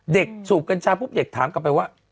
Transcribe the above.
เด็กสูบกัญชาพรุ่งเด็กถามกลับไปว่า